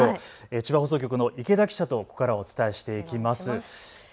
千葉放送局の池田記者とお伝えしていきます。